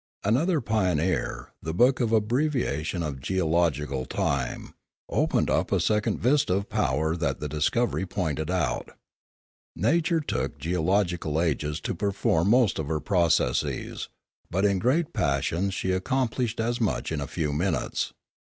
Another pio neer, the book of abbreviation of geological time, opened up a second vista of power that the discovery pointed out. Nature took geological ages to perform most of her processes; but in great passions she accom plished as much in a few minutes.